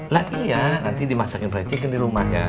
lah iya nanti dimasakin fried chicken di rumahnya